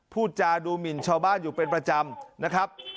พูดจาดูหมินชาวบ้านอยู่เป็นประจำนะครับ